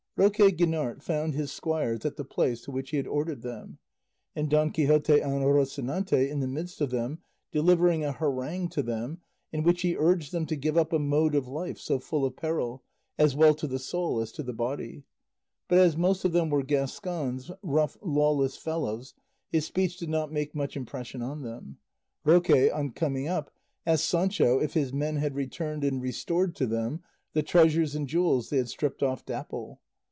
Roque Guinart found his squires at the place to which he had ordered them, and Don Quixote on Rocinante in the midst of them delivering a harangue to them in which he urged them to give up a mode of life so full of peril, as well to the soul as to the body; but as most of them were Gascons, rough lawless fellows, his speech did not make much impression on them. Roque on coming up asked Sancho if his men had returned and restored to him the treasures and jewels they had stripped off Dapple.